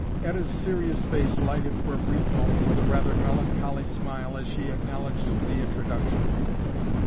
Etta's serious face lighted for a brief moment with a rather melancholy smile as she acknowledged the introduction.